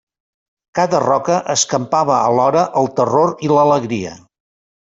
Cada roca escampava alhora el terror i l'alegria.